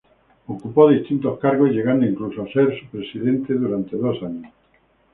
Ocupó distintos cargos, llegando incluso a ser su presidente durante dos años.